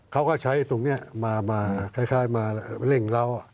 เขาก็ใช้ตรงนี้มาคล้ายมาเร่งเหล้า